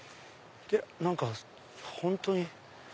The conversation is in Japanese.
何か本当に。